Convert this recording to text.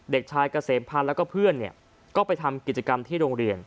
เด็กชายเกษมพันธ์แล้วก็เพื่อนก็ไปทำกิจกรรมที่โรงเรียน